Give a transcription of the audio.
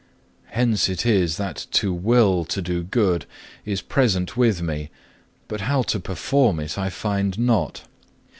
Hence it is that to will to do good is present with me, but how to perform it I find not.